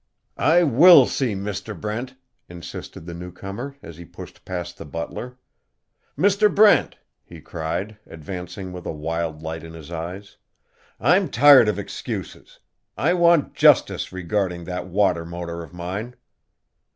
"I will see Mr. Brent," insisted the new comer, as he pushed past the butler. "Mr. Brent!" he cried, advancing with a wild light in his eyes. "I'm tired of excuses. I want justice regarding that water motor of mine."